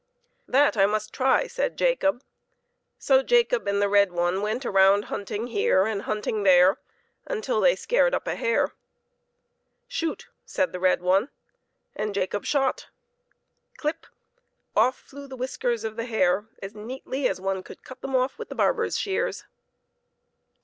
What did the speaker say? " That I must try," said Jacob. So Jacob and the red one went around hunting here and hunting there until they scared up a hare. " Shoot !" said the red one ; and Jacob shot. Clip ! off flew the whiskers of the hare as neatly as one could cut them off with the barber's shears.